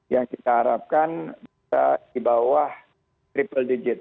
yang kita harapkan bisa di bawah triple digit